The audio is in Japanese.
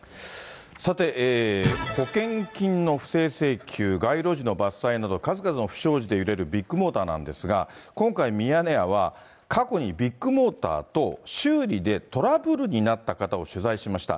さて、保険金の不正請求、街路樹の伐採など、数々の不祥事で揺れるビッグモーターなんですが、今回、ミヤネ屋は、過去にビッグモーターと修理でトラブルになった方を取材しました。